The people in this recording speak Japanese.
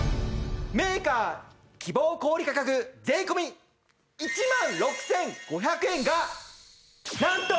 メーカー希望小売価格税込１万６５００円がなんと。